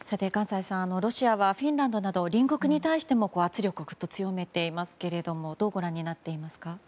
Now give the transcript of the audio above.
閑歳さん、ロシアはフィンランドなど隣国に対しても圧力を強めていますけれどもどうご覧になっていますか？